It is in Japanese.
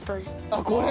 あっこれ？